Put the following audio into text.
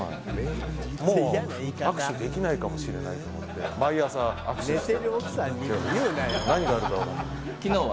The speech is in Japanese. もう握手できないかもしれないと思って毎朝握手して出かけてます